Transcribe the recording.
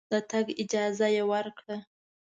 د تګ اجازه یې ورکړه.